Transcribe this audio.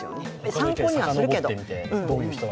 参考にはするけど。